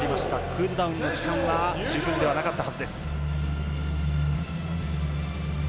クールダウンの時間は十分ではなかったはずです。